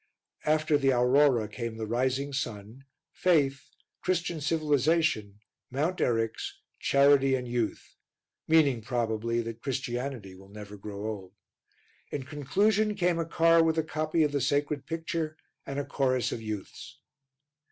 After the Aurora came the Rising Sun, Faith, Christian Civilization, Mount Eryx, Charity and Youth meaning, probably, that Christianity will never grow old. In conclusion came a car with a copy of the sacred picture and a chorus of youths.